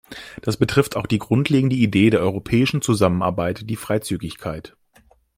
Das betrifft auch die grundlegende Idee der europäischen Zusammenarbeit die Freizügigkeit.